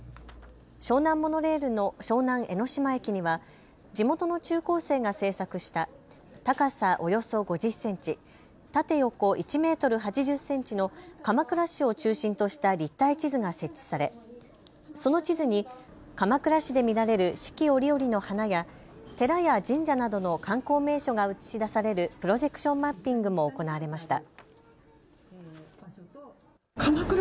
湘南モノレールの湘南江の島駅には地元の中高生が制作した高さおよそ５０センチ、縦横１メートル８０センチの鎌倉市を中心とした立体地図が設置されその地図に鎌倉市で見られる四季折々の花や、寺や神社などの観光名所が映し出されるプロジェクションマッピングも行われました。